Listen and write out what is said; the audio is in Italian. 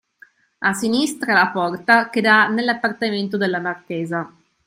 a sinistra la porta che dà nell'appartamento della marchesa.